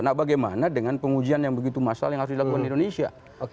nah bagaimana dengan pengujian yang begitu massal yang harus dilakukan di indonesia